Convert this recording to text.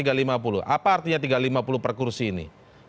apa artinya tiga ratus lima puluh per kursi ini